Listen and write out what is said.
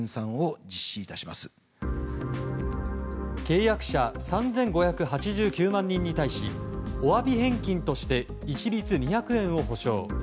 契約者３５８９万人に対しお詫び返金として一律２００円を補償。